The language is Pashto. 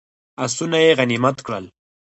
آسونه یې غنیمت کړل.